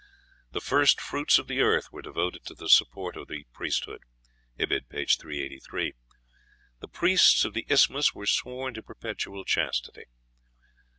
The first fruits of the earth were devoted to the support of the priesthood. (Ibid., p. 383.) The priests of the Isthmus were sworn to perpetual chastity.